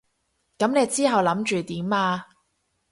噉你之後諗住點啊？